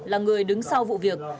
là người đứng sau vụ việc